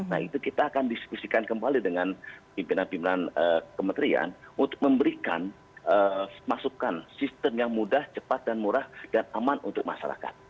nah itu kita akan diskusikan kembali dengan pimpinan pimpinan kementerian untuk memberikan masukan sistem yang mudah cepat dan murah dan aman untuk masyarakat